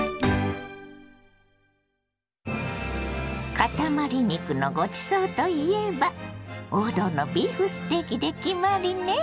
かたまり肉のごちそうといえば王道のビーフステーキで決まりね！